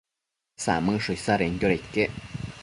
Samëdsho isadenquioda iquec